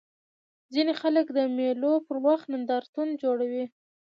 ځيني خلک د مېلو پر وخت نندارتونونه جوړوي.